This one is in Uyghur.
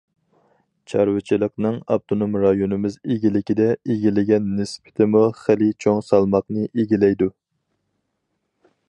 چارۋىچىلىقنىڭ ئاپتونوم رايونىمىز ئىگىلىكىدە ئىگىلىگەن نىسبىتىمۇ خېلى چوڭ سالماقنى ئىگىلەيدۇ.